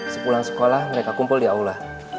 sepulang sekolah mereka kumpul di aula